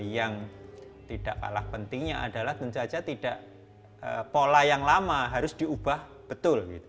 yang tidak kalah pentingnya adalah tentu saja tidak pola yang lama harus diubah betul